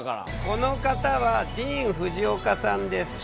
この方はディーン・フジオカさんです。